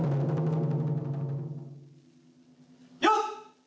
よっ！